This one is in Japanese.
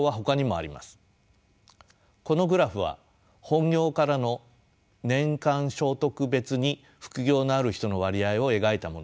このグラフは本業からの年間所得別に副業のある人の割合を描いたものです。